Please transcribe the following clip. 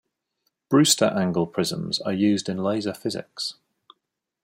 Brewster angle prisms are used in laser physics.